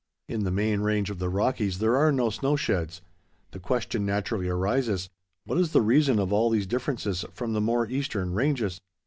In the main range of the Rockies there are no snow sheds. The question naturally arises—What is the reason of all these differences from the more eastern ranges?